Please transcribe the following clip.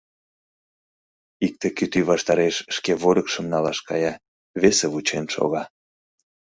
Икте кӱтӱ ваштареш шке вольыкшым налаш кая, весе вучен шога.